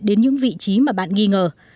đến những vị trí mà bạn nghi ngờ